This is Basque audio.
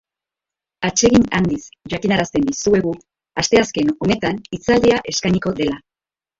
Atsegin handiz jakinarazten dizuegu asteazken honetan hitzaldia eskainiko dela.